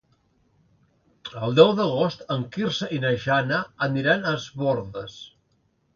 El deu d'agost en Quirze i na Jana aniran a Es Bòrdes.